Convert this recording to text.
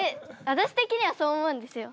私的にはそう思うんですよ。